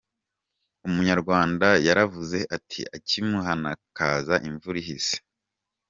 Umunyarwanda yaravuze ati “Ak’imuhana kaza imvura ihise”.